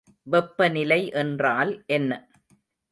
வெப்பநிலை என்றால் என்ன?